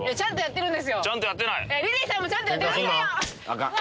リリーさんもちゃんとやってくださいよ！